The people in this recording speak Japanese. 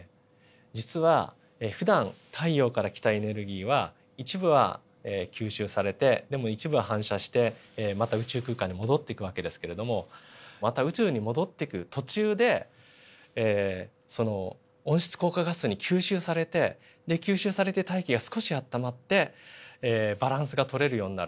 実はふだん太陽から来たエネルギーは一部は吸収されてでも一部は反射してまた宇宙空間に戻っていく訳ですけれどもまた宇宙に戻っていく途中でその温室効果ガスに吸収されて吸収されて大気が少しあったまってバランスが取れるようになる。